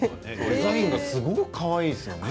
デザインがすごくかわいいですよね。